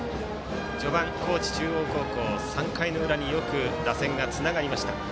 序盤、高知中央高校３回の裏によく打線がつながりました。